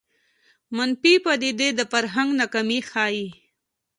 منفي پدیدې د فرهنګ ناکامي ښيي